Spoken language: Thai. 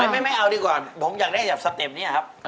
ไม่เอาดีกว่าผมอยากได้จากสเต็ปนี้ครับ